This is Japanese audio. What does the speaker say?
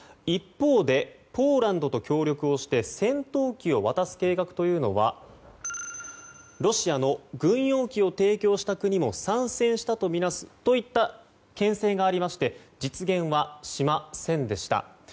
一方、ポーランドと協力して戦闘機を渡す計画というのはロシアの軍用機を提供した国も参戦したとみなすといった牽制がありまして実現はしませんでした。